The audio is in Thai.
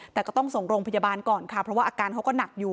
แต่ก็ต้องส่งโรงพยาบาลก่อนค่ะเพราะว่าอาการเขาก็หนักอยู่